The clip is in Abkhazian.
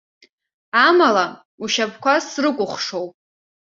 Амала, ушьапқәа срыкәыхшоуп.